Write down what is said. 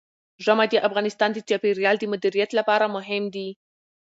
ژمی د افغانستان د چاپیریال د مدیریت لپاره مهم دي.